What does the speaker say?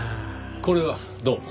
これはどうも。